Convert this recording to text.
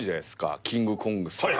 キングコングさん